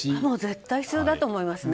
絶対に必要だと思います。